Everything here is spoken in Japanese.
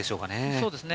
そうですね。